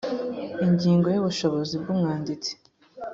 ingingo y’ubushobozi bw ‘umwanditsi .